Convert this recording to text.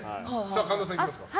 神田さん、いきますか。